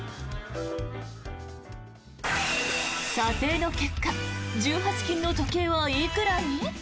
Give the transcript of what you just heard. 査定の結果１８金の時計はいくらに。